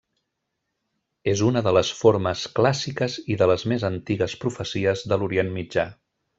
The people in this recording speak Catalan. És una de les formes clàssiques i de les més antigues profecies de l'Orient Mitjà.